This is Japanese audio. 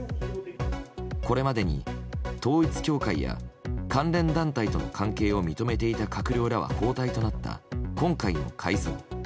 これまでに統一教会や関連団体との関係を認めていた閣僚らは交代となった今回の改造。